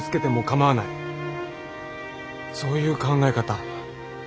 そういう考え方